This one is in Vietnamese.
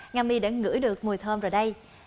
ngâm y đã ngửi được mùi thơm rồi đây